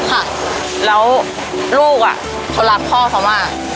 แล้วลูกก็รักพ่อเขามาก